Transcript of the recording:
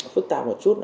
phức tạp một chút